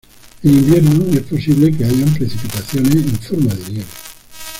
En invierno es posible que hayan precipitaciones en forma de nieve.